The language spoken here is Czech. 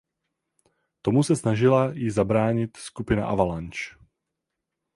Tomu se snažila ji zabránit skupina Avalanche.